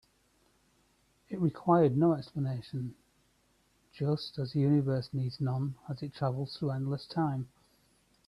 It required no explanation, just as the universe needs none as it travels through endless time.